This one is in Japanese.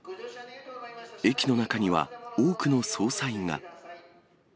駅の中には多くの捜査員が。